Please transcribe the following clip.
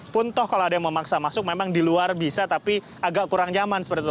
pun toh kalau ada yang memaksa masuk memang di luar bisa tapi agak kurang nyaman seperti itu